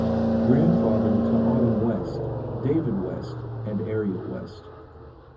Grandfather to Autumn West, David West, and Ariel West.